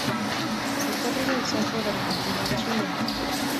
Se encuentra en el centro de Argentina y Chile.